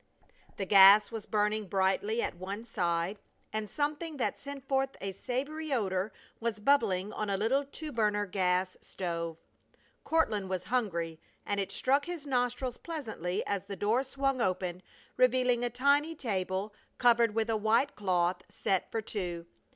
The gas was burning brightly at one side, and something that sent forth a savory odor was bubbling on a little two burner gas stove. Courtland was hungry, and it struck his nostrils pleasantly as the door swung open, revealing a tiny table covered with a white cloth, set for two.